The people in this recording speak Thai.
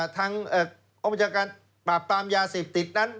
ทางอบจักรปราบตามยาเสพติดนั้น